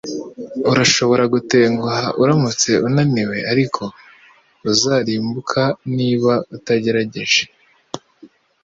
Urashobora gutenguha uramutse unaniwe, ariko uzarimbuka niba utagerageje.”